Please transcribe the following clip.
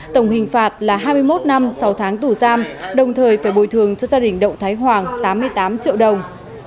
tổng hình phạt là hai mươi một năm sáu tháng tù giam đồng thời phải bồi thường cho gia đình động thái hoàng tám mươi tám triệu đồng